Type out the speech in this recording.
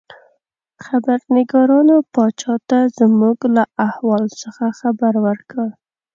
خبرنګارانو پاچا ته زموږ له احوال څخه خبر ورکړ.